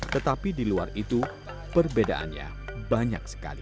tetapi di luar itu perbedaannya banyak sekali